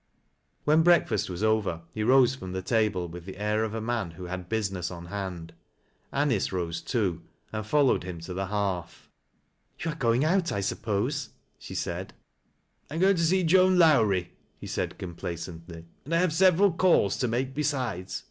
When breakfast was over, he rose from the table witli the air of a man who had business on hand. Anice rose too, and followed him to the hearth. " You are going out, I suppose," she said. " I am going to see Joan Lowrie," he said complacently. * And 1 have several calls to make besides.